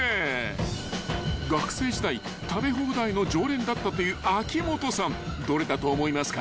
［学生時代食べ放題の常連だったという秋元さんどれだと思いますか？］